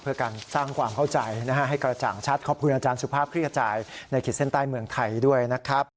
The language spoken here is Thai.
เพื่อการสร้างความเข้าใจให้กระจ่างชัดขอบคุณอาจารย์สุภาพคลิกระจายในขีดเส้นใต้เมืองไทยด้วยนะครับ